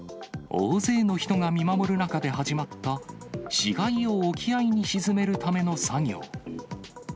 大勢の人が見守る中で始まった、死骸を沖合に沈めるための作業。